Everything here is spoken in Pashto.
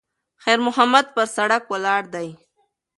خیر محمد پر سړک ولاړ دی.